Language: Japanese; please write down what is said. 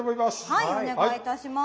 はいお願いいたします。